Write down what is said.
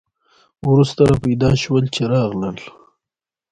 وروسته را پیدا شول چې راغلل.